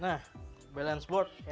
nah balance board